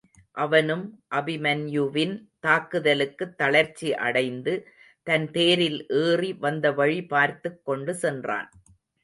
அவனும் அபிமன்யுவின் தாக்குதலுக்குத் தளர்ச்சி அடைந்து தன் தேரில் ஏறி வந்தவழி பார்த்துக் கொண்டு சென்றான்.